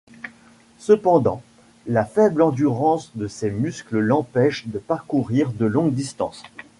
Cependant, la faible endurance de ses muscles l'empêche de parcourir de longues distances.